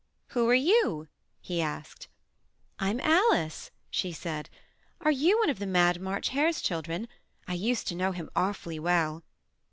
"Who are you?" he asked. "I'm Alice," she said. "Are you one of the mad March Hare's children? I used to know him awfully w7ell."